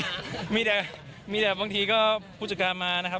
ไม่มีครับผมมีแต่บางทีก็ผู้จัดการมานะครับ